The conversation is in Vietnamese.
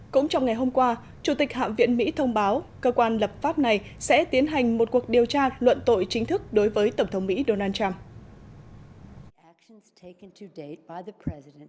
cũng trong ngày hôm qua chủ tịch hạm viện mỹ thông báo cơ quan lập pháp này sẽ tiến hành một cuộc điều tra luận tội chính thức đối với tổng thống mỹ donald trump